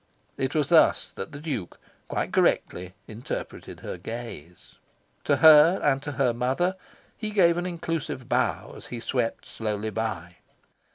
it was thus that the Duke, quite correctly, interpreted her gaze. To her and to her mother he gave an inclusive bow as he swept slowly by.